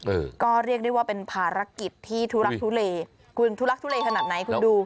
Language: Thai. เออก็เรียกได้ว่าเป็นภารกิจที่ทุลักทุเลคุณทุลักทุเลขนาดไหนคุณดู